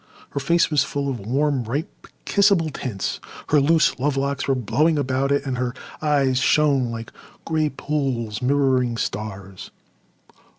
Her face was full of warm, ripe, kissable tints, her loose lovelocks were blowing about it, and her eyes shone like grey pools mirroring stars.